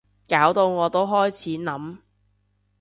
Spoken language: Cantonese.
搞到我都開始諗